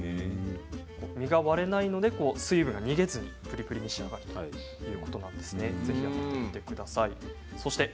実は割れないので水分が逃げずにプリプリに仕上がるということなんですね。